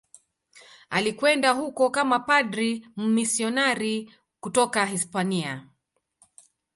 Alikwenda huko kama padri mmisionari kutoka Hispania.